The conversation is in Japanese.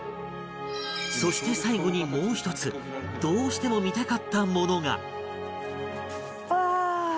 そして最後にもう一つどうしても見たかったものが